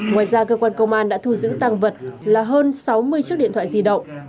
ngoài ra cơ quan công an đã thu giữ tăng vật là hơn sáu mươi chiếc điện thoại di động